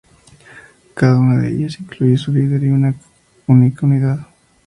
Cada una de ellas incluye su líder y unidad única.